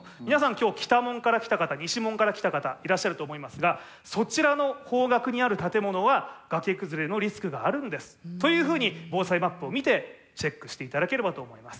今日北門から来た方西門から来た方いらっしゃると思いますがそちらの方角にある建物は崖崩れのリスクがあるんですというふうに防災マップを見てチェックして頂ければと思います。